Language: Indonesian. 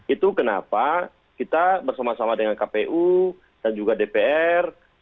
itu kenapa kita bersama sama dengan kpu dan juga dpr